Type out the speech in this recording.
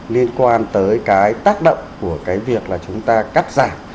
liên quan tới cái tác động của cái việc là chúng ta cắt giảm